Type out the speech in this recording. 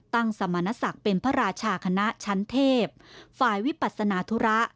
สมณศักดิ์เป็นพระราชาคณะชั้นเทพฝ่ายวิปัสนาธุระ